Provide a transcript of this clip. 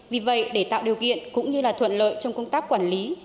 vì vậy để tạo điều kiện cũng như thuận lợi trong công tác quản lý